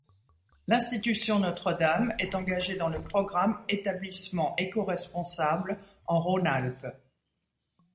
L'Institution Notre Dame est engagée dans le programme Établissements éco-responsables en Rhône-Alpes.